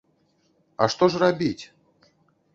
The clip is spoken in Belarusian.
А што ж рабіць?